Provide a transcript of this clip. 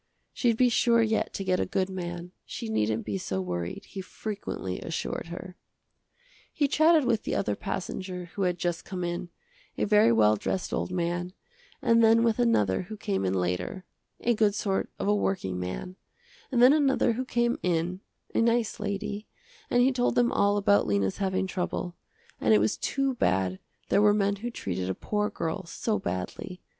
She'd be sure yet to get a good man, she needn't be so worried, he frequently assured her. He chatted with the other passenger who had just come in, a very well dressed old man, and then with another who came in later, a good sort of a working man, and then another who came in, a nice lady, and he told them all about Lena's having trouble, and it was too bad there were men who treated a poor girl so badly.